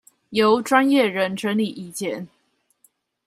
由專業人整理意見